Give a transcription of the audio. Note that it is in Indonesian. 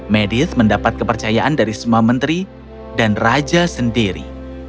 medis mendapat kepercayaan dari semua menteri dan raja sendiri